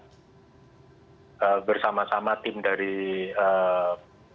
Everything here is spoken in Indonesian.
pusat penelitian geologi kelautan dan pusat penelitian geologi kelautan